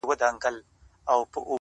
چي شېردل يې کړ د دار تمبې ته پورته؛